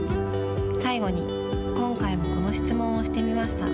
最後に今回もこの質問をしてみました。